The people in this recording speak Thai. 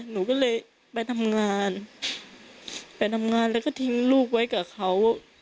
หนูก็เลยไปทำงานไปทำงานแล้วก็ทิ้งลูกไว้กับเขา